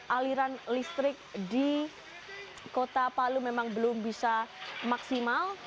aliran listrik di kota palu memang belum bisa maksimal